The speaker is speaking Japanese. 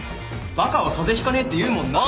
バカは風邪ひかねえって言うもんな。